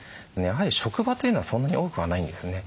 やはり職場というのはそんなに多くはないんですね。